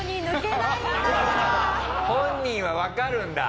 本人はわかるんだ。